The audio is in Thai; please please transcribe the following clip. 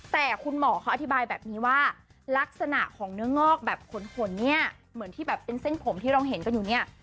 แต่คุณหมอเขาอธิบายแบบนี้ว่าลักษณะของเนื้องอกแบบขนเนี่ยเหมือนที่แบบเป็นเส้นผมที่เราเห็นกันอยู่เนี่ย